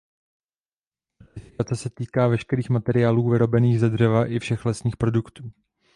Certifikace se týká veškerých materiálů vyrobených ze dřeva i všech lesních produktů.